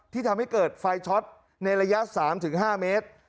ทำให้เกิดไฟช็อตในระยะ๓๕เมตร